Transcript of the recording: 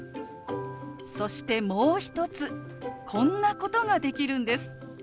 そしてもう一つこんなことができるんです。